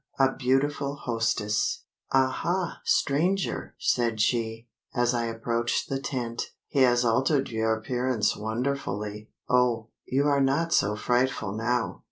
A BEAUTIFUL HOSTESS. "Aha, stranger!" said she, as I approached the tent, "he has altered your appearance wonderfully. Oh! you are not so frightful now.